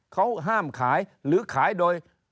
เขาห้ามขายหรือขายโดย